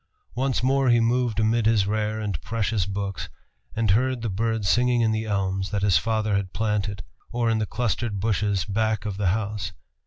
Once more he moved amid his rare and precious books, and heard the birds singing in the elms that his father had planted, or in the clustered bushes back of the house.